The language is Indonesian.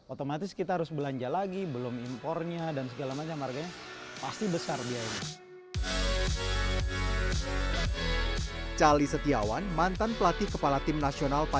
otomatis kita harus belanja lagi belum impornya dan segala macam harganya pasti besar biayanya